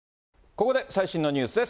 ここで最新のニュースです。